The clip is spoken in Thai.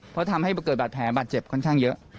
เพราะทำให้เกิดบาดแผลบาดเจ็บค่อนข้างเยอะ